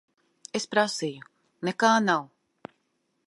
Es prasīju. Nekā nav.